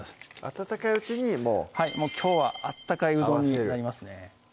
温かいうちにもうきょうは温かいうどんになります